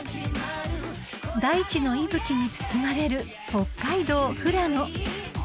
［大地の息吹に包まれる北海道富良野］